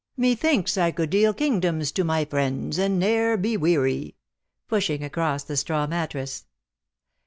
' Methinks I could deal kingdoms to my friends, And ne'er be weary ;'" pushing across the straw mattress.